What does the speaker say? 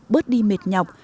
bớt đi mệt nhọc